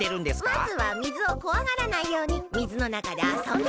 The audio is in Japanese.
まずはみずをこわがらないようにみずのなかであそんでます。